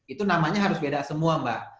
itu namanya harus beda semua mbak